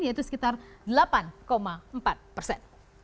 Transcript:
yaitu sekitar delapan empat persen